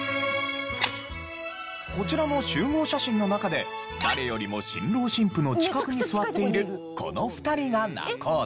こちらの集合写真の中で誰よりも新郎新婦の近くに座っているこの２人が仲人。